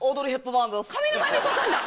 上沼恵美子さんだ！